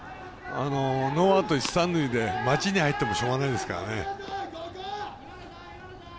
ノーアウト、三塁で待ちに入ってもしかたないですからね。